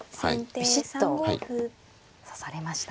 びしっと指されました。